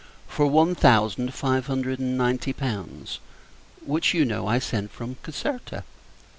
for one thousand five hundred and ninety pounds; which, you know, I sent from Caserta.